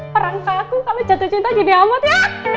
perangkah aku kalo jatuh cinta gini amat ya